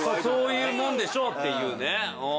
そういうもんでしょうっていうね。